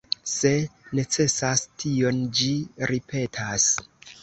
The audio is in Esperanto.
Se necesas tion ĝi ripetas.